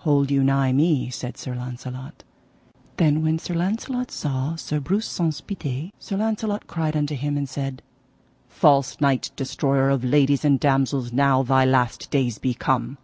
Hold you nigh me, said Sir Launcelot. Then when Sir Launcelot saw Sir Breuse Saunce Pité, Sir Launcelot cried unto him, and said: False knight, destroyer of ladies and damosels, now thy last days be come.